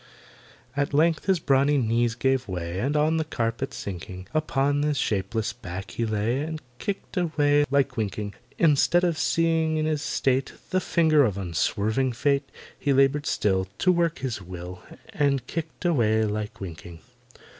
At length his brawny knees gave way, And on the carpet sinking, Upon his shapeless back he lay And kicked away like winking. Instead of seeing in his state The finger of unswerving Fate, He laboured still To work his will, And kicked away like winking.